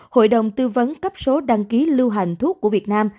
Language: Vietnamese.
hội đồng tư vấn cấp số đăng ký lưu hành thuốc của việt nam